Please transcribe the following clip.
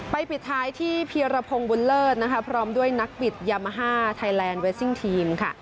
ปิดท้ายที่เพียรพงศ์บุญเลิศนะคะพร้อมด้วยนักบิดยามาฮ่าไทยแลนดเวสซิ่งทีมค่ะ